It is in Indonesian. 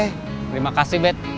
terima kasih bet